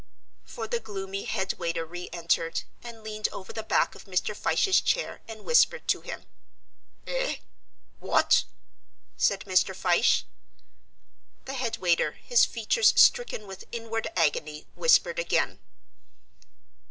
For the gloomy head waiter re entered and leaned over the back of Mr. Fyshe's chair and whispered to him. "Eh? what?" said Mr. Fyshe. The head waiter, his features stricken with inward agony, whispered again.